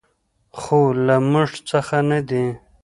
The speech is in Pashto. خو له موږ څخه نه دي .